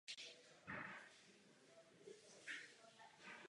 Zasazoval se o implementaci Badeniho jazykových nařízení do praxe.